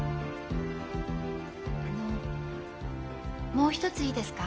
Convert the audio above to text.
あのもう一ついいですか？